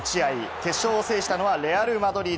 決勝を制したのはレアル・マドリード。